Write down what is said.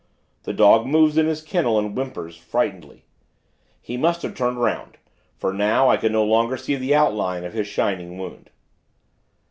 The dog moves in his kennel, and whimpers, frightenedly. He must have turned 'round; for, now, I can no longer see the outline of his shining wound.